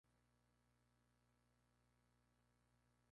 Tuvo dos hermanos, Bill y David.